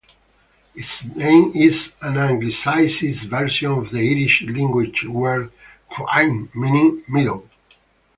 Its name is an Anglicised version of the Irish-language word "cluain", meaning meadow.